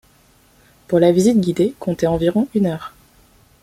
Pour la visite guidée, comptez environ une heure.